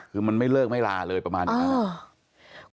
คือมันไม่เลิกไม่ลาเลยประมาณนี้